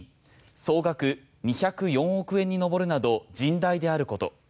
総額２０４億円に上るなど甚大であること。